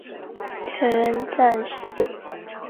全员战死。